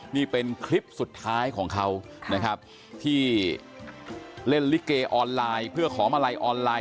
นี่เป็นคลิปสุดท้ายของเขานะครับที่เล่นลิเกออนไลน์เพื่อขอมาลัยออนไลน